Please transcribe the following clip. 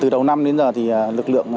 từ đầu năm đến giờ thì lực lượng